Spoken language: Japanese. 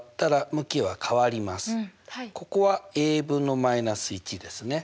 ここは分の−１ですね。